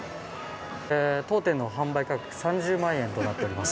当店の販売価格３０万円となっております。